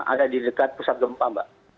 ada di dekat pusat gempa mbak